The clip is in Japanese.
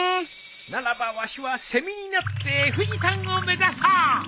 ならばわしはセミになって富士山を目指そう。